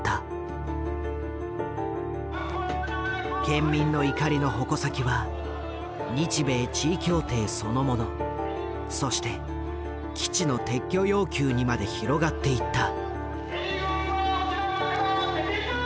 県民の怒りの矛先は日米地位協定そのものそして基地の撤去要求にまで広がっていった。